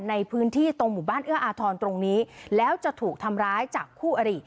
ในพื้นที่ตรงหมู่บ้านเอื้ออาทรตรงนี้แล้วจะถูกทำร้ายจากคู่อริ